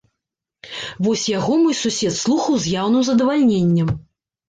Вось яго мой сусед слухаў з яўным задавальненнем.